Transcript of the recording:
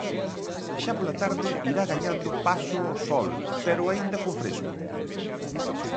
Xa pola tarde irá gañando paso o sol, pero aínda con fresco.